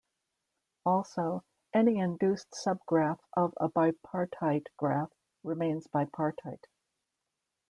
Also, any induced subgraph of a bipartite graph remains bipartite.